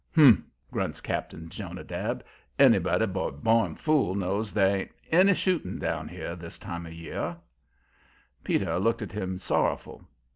"Humph!" grunts Cap'n Jonadab. "Anybody but a born fool'll know there ain't any shooting down here this time of year." Peter looked at him sorrowful.